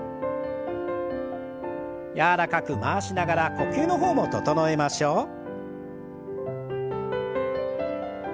柔らかく回しながら呼吸の方も整えましょう。